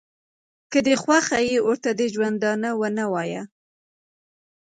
که دې خوښه ي ورته د ژوندانه ونه وایه.